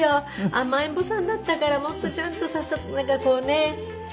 甘えん坊さんだったからもっとちゃんとさすってなんかこうねえ。